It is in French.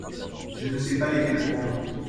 Je se sais pas lesquels prendre.